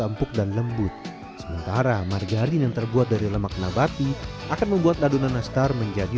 empuk dan lembut sementara margarin yang terbuat dari lemak nabati akan membuat adonan nastar menjadi